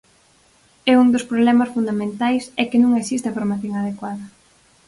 E un dos problemas fundamentais é que non existe a formación adecuada.